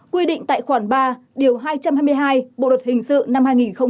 quy định tại khoản ba điều hai trăm hai mươi hai bộ luật hình sự năm hai nghìn một mươi năm